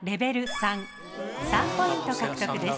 ３ポイント獲得です。